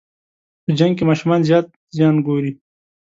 په جنګ کې ماشومان زیات زیان ګوري.